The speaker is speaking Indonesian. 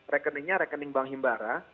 rekeningnya rekening bank himbara